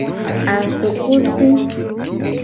Asukusi.